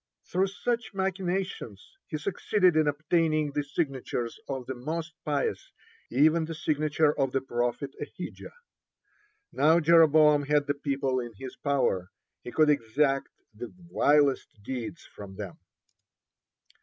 Through such machinations he succeeded in obtaining the signatures of the most pious, even the signature of the prophet Ahijah. Now Jeroboam had the people is his power. He could exact the vilest deeds from them.